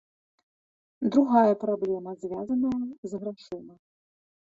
Другая праблема звязаная з грашыма.